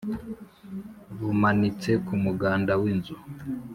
bumanitse kumuganda w'inzu.